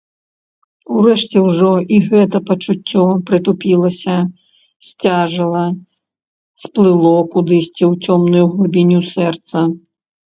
Урэшце ўжо і гэта пачуццё прытупілася, сцяжэла, сплыло кудысьці ў цёмную глыбіню сэрца.